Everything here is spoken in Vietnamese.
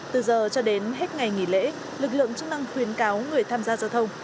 từ giờ cho đến hết ngày nghỉ lễ lực lượng chức năng khuyến cáo người tham gia giao thông